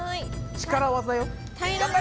力技よ！